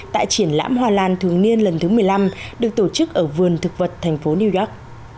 tại triển lãm hoa lan thường niên lần thứ một mươi năm được tổ chức ở vườn thực vật thành phố new york